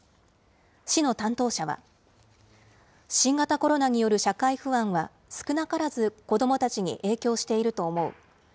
市の担当者は、新型コロナによる社会不安は、少なからず子どもたちに影響していると思う。